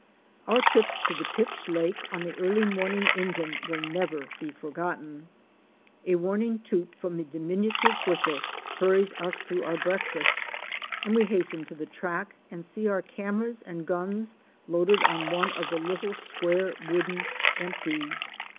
Our trips to the pitch lake on the early morning engine will never be forgotten. A warning toot from the diminutive whistle hurries us through our breakfast, and we hasten to the track and see our cameras and guns loaded on one of the little square wooden '"'empties.""